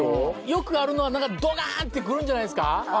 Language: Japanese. よくあるのはドカーンってくるんじゃないですか？